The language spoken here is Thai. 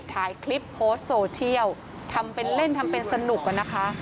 ถ่ายคลิปโพสต์โซเชียลทำเป็นเล่นทำเป็นสนุกอะนะคะ